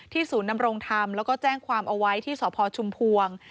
ศูนย์นำรงธรรมแล้วก็แจ้งความเอาไว้ที่สพชุมพวง